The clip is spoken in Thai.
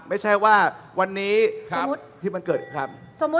ไม่ใช่ว่าวันนี้ที่มันเกิดคำ